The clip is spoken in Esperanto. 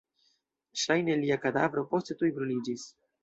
Ŝajne lia kadavro poste tuj bruliĝis.